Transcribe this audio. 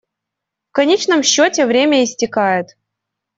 В конечном счете время истекает.